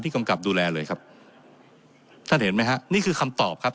กำกับดูแลเลยครับท่านเห็นไหมฮะนี่คือคำตอบครับ